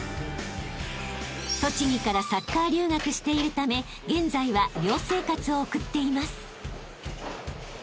［栃木からサッカー留学しているため現在は寮生活を送っています］